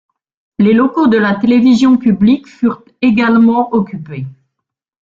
Les locaux de la télévision publique furent également occupés.